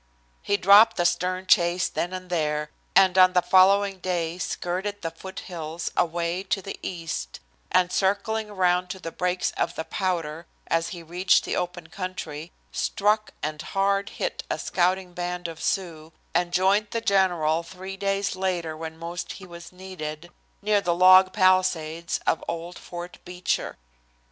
He dropped the stern chase then and there, and on the following day skirted the foothills away to the east and, circling round to the breaks of the Powder as he reached the open country, struck and hard hit a scouting band of Sioux, and joined the general three days later, when most he was needed, near the log palisades of old Fort Beecher.